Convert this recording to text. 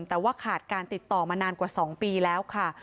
แต่ว่าขาดการติดต่อมานานกว่า๒ปีแล้วค่ะ